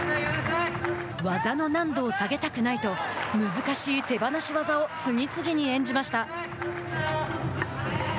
技の難度を下げたくないと難しい手放し技を次々に演じました。